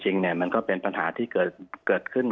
จริงเนี่ยมันก็เป็นปัญหาที่เกิดขึ้น